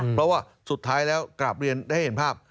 เพราะว่าสุดท้ายแล้วกราบเรียนให้เห็นภาพ